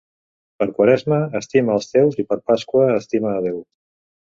Per Quaresma estima els teus i per Pasqua estima a Déu.